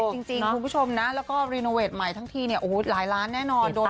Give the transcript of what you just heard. เขตจริงคุณผู้ชมนะแล้วก็รินาเวทใหม่ทั้งทีเนี่ยหลายล้านแน่นอนเยอะอ่ะ